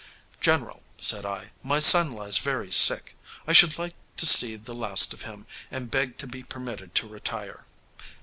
'General,' said I, 'my son lies very sick. I should like to see the last of him, and beg to be permitted to retire.'